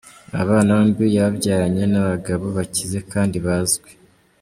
Aba bana bombi yababyaranye n’abagabo bakize kandi bazwi.